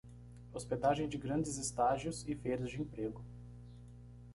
Hospedagem de grandes estágios e feiras de emprego